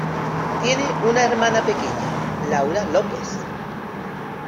Tiene una hermana pequeña, Laura Lopes.